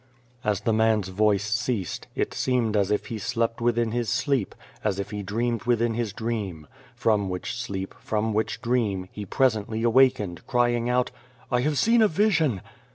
As the man's voice ceased, it seemed as if he slept within his sleep, as if he dreamed within his dream ; from which sleep, from which dream, he presently awakened, crying out :" I have seen a vision."